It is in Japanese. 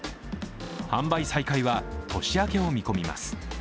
販売再開は年明けを見込みます。